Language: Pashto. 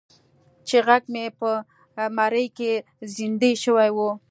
چې غږ مې په مرۍ کې زیندۍ شوی و.